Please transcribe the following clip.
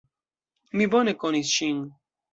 Mi bone konis ŝin.